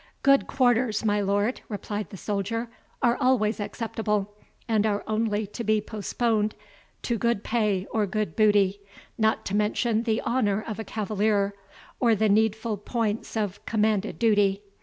"Good quarters, my lord," replied the soldier, "are always acceptable, and are only to be postponed to good pay or good booty, not to mention the honour of a cavalier, or the needful points of commanded duty.